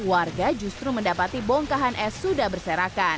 warga justru mendapati bongkahan es sudah berserakan